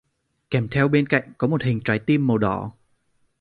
kèm theo bên cạnh có một hình trái tim màu đỏ